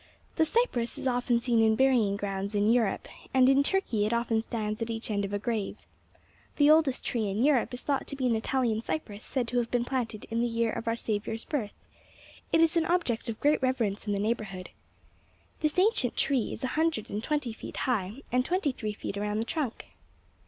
The cypress is often seen in burying grounds in Europe, and in Turkey it often stands at each end of a grave. The oldest tree in Europe is thought to be an Italian cypress said to have been planted in the year of our Saviour's birth; it is an object of great reverence in the neighborhood. This ancient tree is a hundred and twenty feet high and twenty three feet around the trunk.